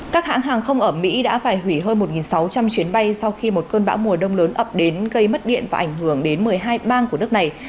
các hãng hàng không ở mỹ đã phải hủy hơn một sáu trăm linh chuyến bay sau khi một cơn bão mùa đông lớn ập đến gây mất điện và ảnh hưởng đến một mươi hai bang của nước này